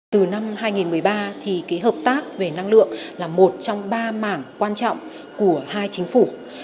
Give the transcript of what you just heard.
từ năm hai nghìn một mươi ba thì hợp tác về năng lượng là một trong ba mảng quan trọng của hai chính phủ